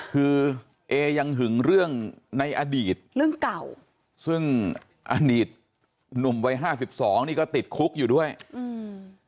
คือเอยังหึงเรื่องในอดีตเรื่องเก่าซึ่งอดีตหนุ่มวัยห้าสิบสองนี่ก็ติดคุกอยู่ด้วยอืม